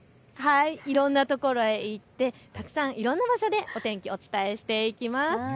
いろんな所へ行ってたくさんいろんな場所でお天気、お伝えしていきます。